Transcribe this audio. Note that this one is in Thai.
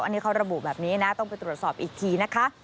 อันนี้เขาระบุแบบนี้นะต้องไปตรวจสอบอีกทีนะคะ